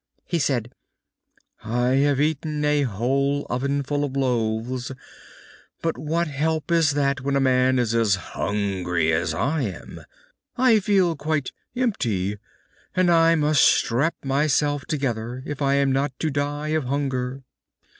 He said: "I have eaten a whole ovenful of loaves, but what help is that when a man is as hungry as I am? I feel quite empty, and I must strap myself together if I am not to die of hunger."